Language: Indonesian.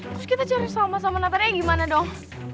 terus kita cari sama sama natanya gimana dong